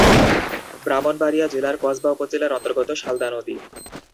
ব্রাহ্মণবাড়িয়া জেলার কসবা উপজেলার অন্তর্গত সালদা নদী।